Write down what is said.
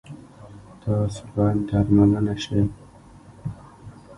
تاسو باید درملنه شی